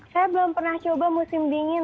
saya belum pernah coba musim dingin